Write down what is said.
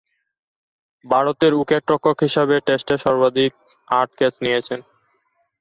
ভারতের উইকেট-রক্ষক হিসেবে টেস্টে সর্বাধিক আট ক্যাচ নিয়েছেন।